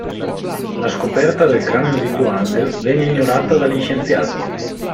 La scoperta del cranio di Tuang venne ignorata dagli scienziati.